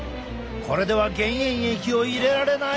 これでは減塩液を入れられない。